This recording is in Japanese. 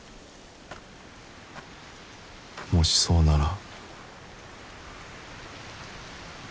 もしそうなら